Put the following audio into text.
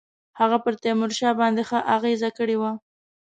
هغه پر تیمورشاه باندي ښه اغېزه کړې وه.